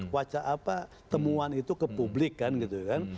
waca apa temuan itu ke publik kan gitu kan